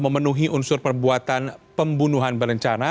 memenuhi unsur perbuatan pembunuhan berencana